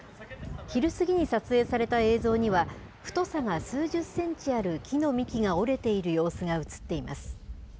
昼過ぎに撮影された映像には、太さが数十センチある木の幹が折れている様子が写っています。